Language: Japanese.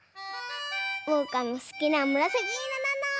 おうかのすきなむらさきいろなの！